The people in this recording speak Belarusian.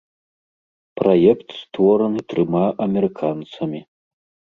Праект створаны трыма амерыканцамі.